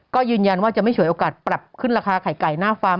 ก็ยืนยันว่าจะไม่ฉวยโอกาสปรับขึ้นราคาไข่ไก่หน้าฟาร์